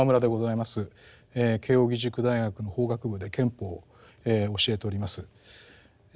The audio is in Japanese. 慶應義塾大学の法学部で憲法を教えております。